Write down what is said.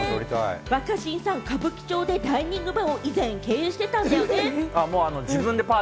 若新さん、歌舞伎町でダイニングバーを以前経営していたんだよね？